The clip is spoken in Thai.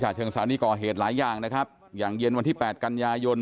เชิงสาวนี่ก่อเหตุหลายอย่างนะครับอย่างเย็นวันที่แปดกันยายน